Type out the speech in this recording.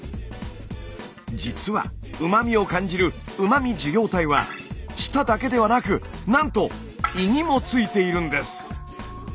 実はうま味を感じるうま味受容体は舌だけではなくなんと胃にもついているんです！